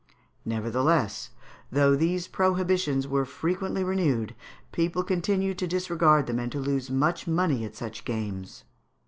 Nevertheless, though these prohibitions were frequently renewed, people continued to disregard them and to lose much money at such games.